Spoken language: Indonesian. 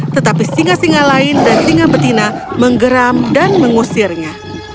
tetapi singa singa lain dan singa betina menggeram dan mengusirnya